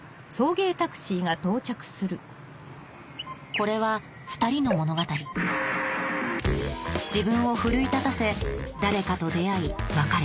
これはふたりの物語自分を奮い立たせ誰かと出会い別れ